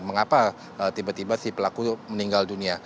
mengapa tiba tiba si pelaku meninggal dunia